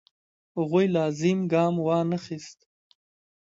هغوی لازم ګام وانخیست.